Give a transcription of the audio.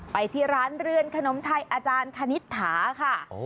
ไปที่ร้านเรือนขนมไทยอาจารย์คณิตถาค่ะ